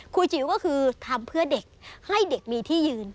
จิ๋วก็คือทำเพื่อเด็กให้เด็กมีที่ยืน